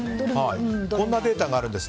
こんなデータがあるんです。